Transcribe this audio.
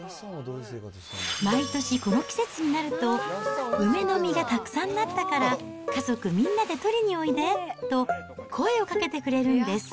毎年、この季節になると、梅の実がたくさんなったから、家族みんなで取りにおいでと、声をかけてくれるんです。